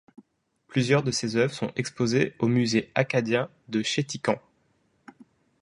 Plusieurs de ses œuvres sont exposées au Musée acadien de Chéticamp.